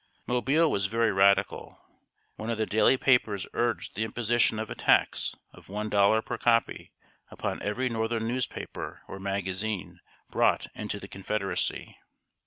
Mobile was very radical. One of the daily papers urged the imposition of a tax of one dollar per copy upon every northern newspaper or magazine brought into the Confederacy!